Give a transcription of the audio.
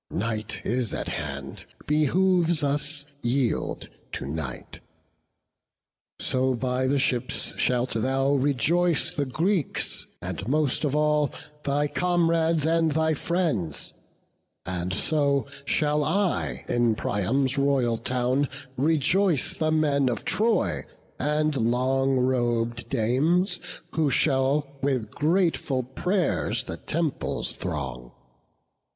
Night is at hand; behoves us yield to night. So by the ships shalt thou rejoice the Greeks, And most of all, thy comrades and thy friends; And so shall I, in Priam's royal town, Rejoice the men of Troy, and long rob'd dames, Who shall with grateful pray'rs the temples throng.